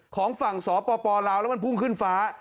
ของฝั่งสปลาวแล้วมันพุ่งขึ้นฟ้า